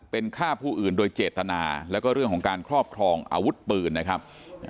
เป็นฆ่าผู้อื่นโดยเจตนาแล้วก็เรื่องของการครอบครองอาวุธปืนนะครับ